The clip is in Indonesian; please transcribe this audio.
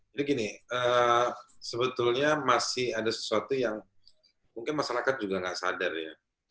jadi gini sebetulnya masih ada sesuatu yang mungkin masyarakat juga nggak sadar ya